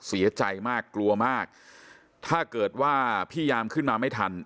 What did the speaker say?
เสียใจมากกลัวมากถ้าเกิดว่าพี่ยามขึ้นมาไม่ทัน